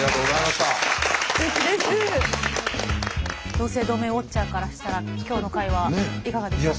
同姓同名ウォッチャーからしたら今日の回はいかがでしたか？